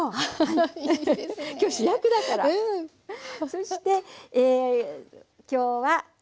そして今日は豚肉。